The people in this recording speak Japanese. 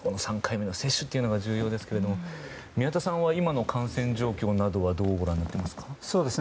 ３回目の接種が重要ですが宮田さんは今の感染状況はどうご覧になっていますか？